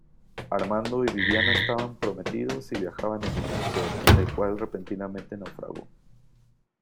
Armando y Viviana estaban prometidos, y viajaban en un crucero, el cual repentinamente naufragó.